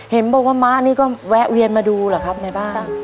เห็นบอกว่าม้านี่ก็แวะเวียนมาดูเหรอครับในบ้าน